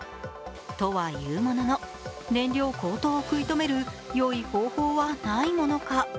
とはいうものの燃料高騰を食い止めるよい方法はないものか。